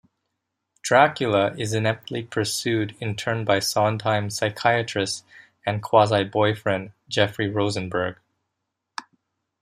Dracula is ineptly pursued in turn by Sondheim's psychiatrist and quasi-boyfriend Jeffrey Rosenberg.